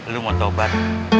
lu mau tobat